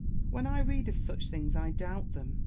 When I read of such things I doubt them.